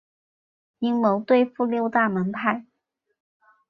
阴谋对付六大门派。